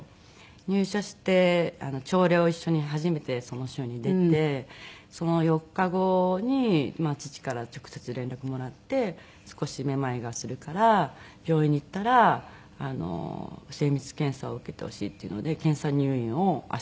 入社して朝礼を一緒に初めてその週に出てその４日後に父から直接連絡もらって少し目まいがするから病院に行ったらあの精密検査を受けてほしいっていうので検査入院を明日から。